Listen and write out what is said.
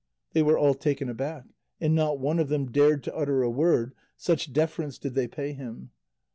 They were all taken aback, and not one of them dared to utter a word, such deference did they pay him.